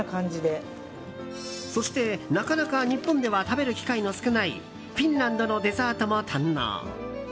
そして、なかなか日本では食べる機会の少ないフィンランドのデザートも堪能。